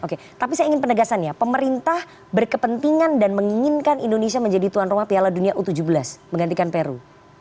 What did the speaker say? oke tapi saya ingin penegasan ya pemerintah berkepentingan dan menginginkan indonesia menjadi tuan rumah piala dunia u tujuh belas menggantikan peru